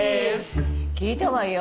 聞いたわよ